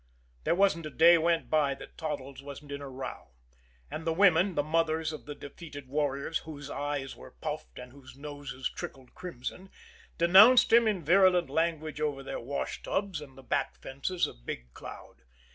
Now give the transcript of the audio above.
There wasn't a day went by that Toddles wasn't in a row; and the women, the mothers of the defeated warriors whose eyes were puffed and whose noses trickled crimson, denounced him in virulent language over their washtubs and the back fences of Big Cloud.